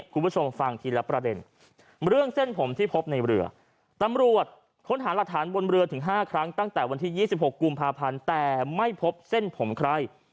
คุณผู้ชมฟังทีละประเด็นเรื่องเส้นผมที่พบในเรือตำรวจค้นหาหลักฐานบนเรือถึง๕ครั้งตั้งแต่วันที่๒๖กุมภาพันธ์แต่ไม่พบเส้นผมใคร